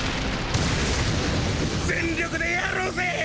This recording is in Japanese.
全力でやろうぜぇ！